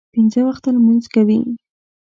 پنځه وخته لمونځ کوي.